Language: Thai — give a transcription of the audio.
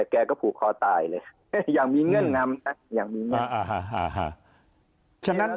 แกก็ผูกคอตายเลยยังมีเงื่อนนำ